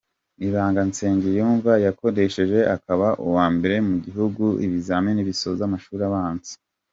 Ibanga Nsengiyumva yakoresheje akaba uwa mbere mu gihugu mu bizamini bisoza amashuri abanza.